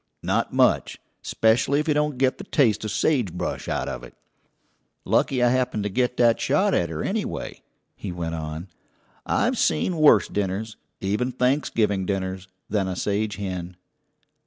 "Not much. 'Specially if you don't get the taste of sage brush out of it. Lucky I happened to get that shot at her, anyway," he went on, "I've seen worse dinners even Thanksgiving dinners than a sage hen."